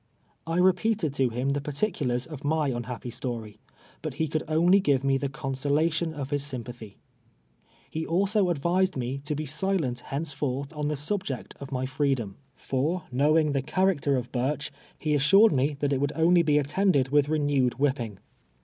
I repeated to him the particulars of my unhappy story, but he could only give me the consolation of his sympathy. He also advised me to be silent henceforth on the subject of my freedom ; for, knowing the character of Burch, he assured me KAY, willia:\is axd kaxdall. 49 t1iat it would only be attended v.ith renewed wliip ping.